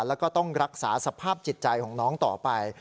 แล้วก็ต้องรักษาสภาพจิตใจของน้องต่อไป